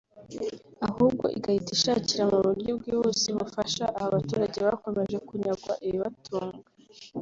ahubwo igahita ishakira mu buryo bwihuse ubufasha aba baturage bakomeje kunyagwa ibibatunga